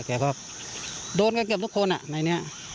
แกก็จะโดนกันแค่เกือบทุกคน